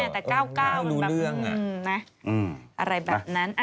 แต่๙๙มันแบบอะไรแบบนั้น